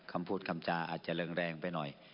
คำพูดคำจาอาจจะเริงแรงไปหน่อย